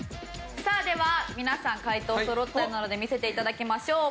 さあでは皆さん解答そろったようなので見せて頂きましょう。